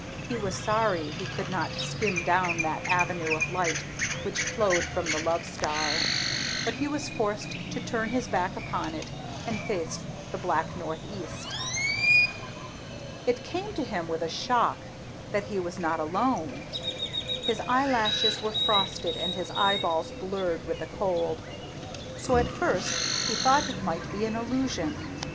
He was sorry he could not skim down that avenue of light which flowed from the love star, but he was forced to turn his back upon it and face the black northeast. It came to him with a shock that he was not alone. His eyelashes were frosted and his eyeballs blurred with the cold, so at first he thought it might be an illusion.